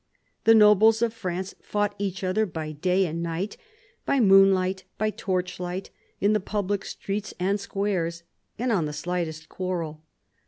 The nobles of France fought each other " by day and night, by moonlight, by torchhght, in the pubUc streets and squares," and on the slightest quarrel.